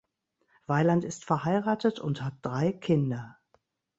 Weiland ist verheiratet und hat drei Kinder.